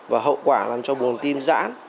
và hậu quả làm cho bùng tim dãn